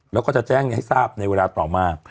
แล้วก็จะแจ้งให้ทราบในเวลาต่อมา